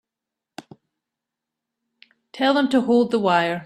Tell them to hold the wire.